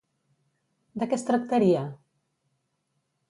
De què es tractaria?